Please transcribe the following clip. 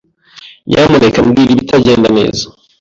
Nyamuneka mbwira ibitagenda neza.